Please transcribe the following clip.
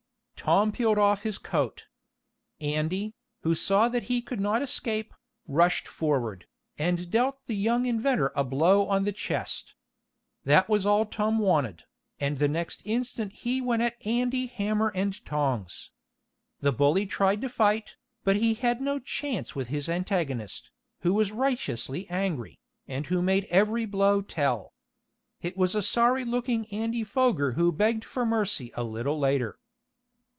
Tom peeled off his coat. Andy, who saw that he could not escape, rushed forward, and dealt the young inventor a blow on the chest. That was all Tom wanted, and the next instant he went at Andy hammer and tongs. The bully tried to fight, but he had no chance with his antagonist, who was righteously angry, and who made every blow tell. It was a sorry looking Andy Foger who begged for mercy a little later.